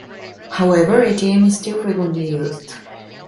However, atm is still frequently used.